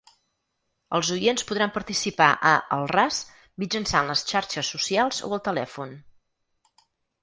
Els oients podran participar a ‘Al ras’ mitjançant les xarxes socials o el telèfon.